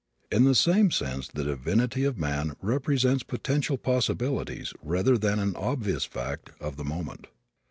In the same sense the divinity of man represents potential possibilities rather than an obvious fact of the moment.